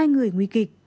hai người nguy kịch